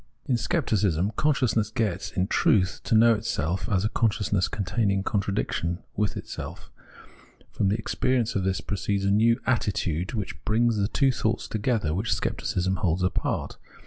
In Scepticism consciousness gets, in truth, to know itself as a consciousness containing contradiction within itself. From the experience of this proceeds a new attitude which brings the two thoughts together which Scepticism holds apart.